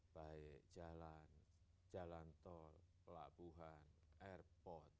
baik jalan jalan tol pelabuhan airport